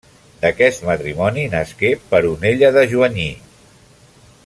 D'aquest matrimoni nasqué Peronella de Joigny.